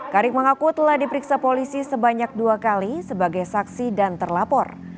karif mengaku telah diperiksa polisi sebanyak dua kali sebagai saksi dan terlapor